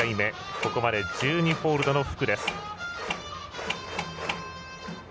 ここまで１２ホールドの福です。